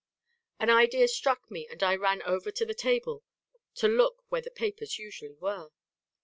An idea struck me and I ran over to the table to look where the papers usually were.